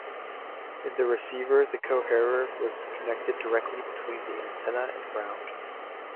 In the receiver the coherer was connected directly between the antenna and ground.